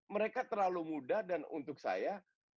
mereka terlalu muda dan untuk saya